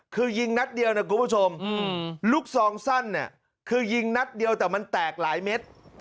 คือยิงนัดเดียวนะคุณผู้ชมลูกซองสั้นเนี่ยคือยิงนัดเดียวแต่มันแตกหลายเม็ด